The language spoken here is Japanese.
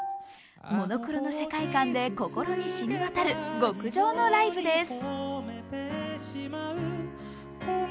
モノクロの世界観で心に染み渡る極上のライブです。